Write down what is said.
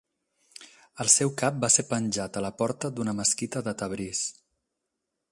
El seu cap va ser penjat a la porta d'una mesquita de Tabriz.